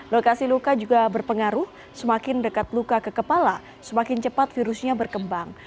lokasi luka juga berpengaruh semakin dekat luka ke kepala semakin cepat virusnya berkembang